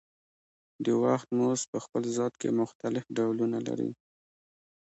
د وخت مزد په خپل ذات کې مختلف ډولونه لري